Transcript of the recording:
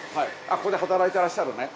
ここで働いてらっしゃるね。